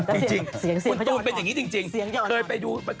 กูถูกเป็นอย่างงี้จริง